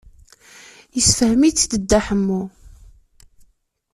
Yessefhem-itt-id Dda Ḥemmu.